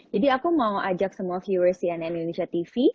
jadi aku mau ajak semua viewers cnn indonesia tv